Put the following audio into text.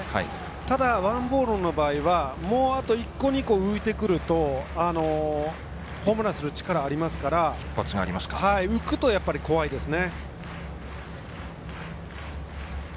ただ王柏融の場合はもう１個、２個置いてくるとホームランにする力がありますから浮くと怖いですね。